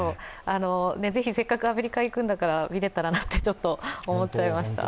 ぜひ、せっかくアメリカに行くんだから、見れたらなと思っちゃいました。